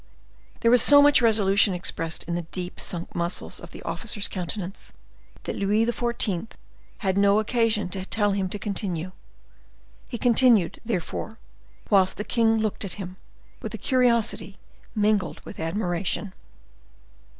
There was so much resolution expressed in the deep sunk muscles of the officer's countenance, that Louis XIV. had no occasion to tell him to continue; he continued, therefore, whilst the king looked at him with a curiosity mingled with admiration.